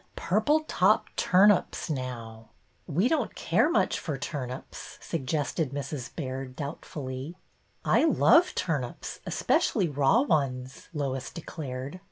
— purple top turnips now/' ''We don't care much for turnips," suggested Mrs. Baird, doubtfully. " I love turnips, especially raw ones," Lois declared.